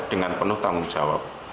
dengan penuh tanggung jawab